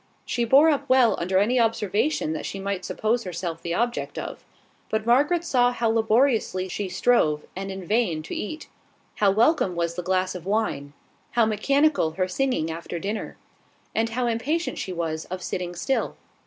She bore up well under any observation that she might suppose herself the object of; but Margaret saw how laboriously she strove, and in vain, to eat; how welcome was the glass of wine; how mechanical her singing after dinner; and how impatient she was of sitting still.